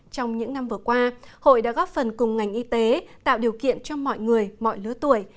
trong những năm vừa qua hội đã góp phần cùng ngành y tế tạo điều kiện cho mọi người mọi lứa tuổi